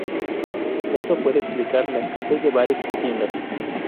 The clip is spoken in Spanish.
Esto puede explicar la escasez de bares y tiendas.